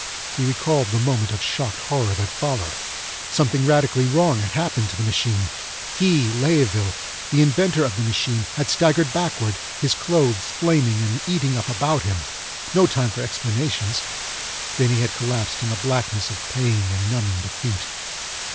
He recalled the moment of shocked horror that followed. Something radically wrong had happened to the machine. He, Layeville, the inventor of the machine, had staggered backward, his clothes flaming and eating up about him. No time for explanations. Then he had collapsed in the blackness of pain and numbing defeat.